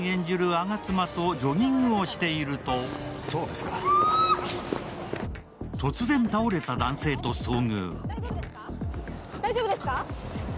吾妻とジョギングをしていると突然倒れた男性と遭遇。